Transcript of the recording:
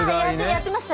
やってました